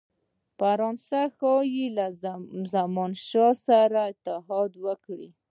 فرانسه ښايي له زمانشاه سره اتحاد وکړي.